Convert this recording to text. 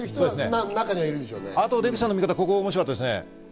あと出口さんの見方、ここが面白かったです。